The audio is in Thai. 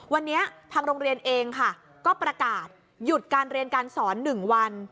วันนี้ทางโรงเรียนเองค่ะก็ประกาศหยุดการเรียนการสอน๑วัน